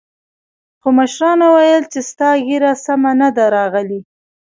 خو مشرانو ويل چې ستا ږيره سمه نه ده راغلې.